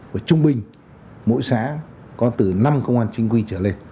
và trung bình mỗi xã có từ năm công an chính quy trở lên